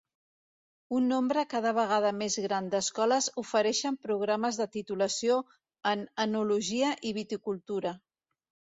Un nombre cada vegada més gran d'escoles ofereixen programes de titulació en Enologia i Viticultura.